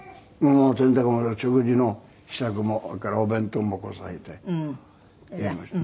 洗濯も食事の支度もそれからお弁当もこさえてやりました。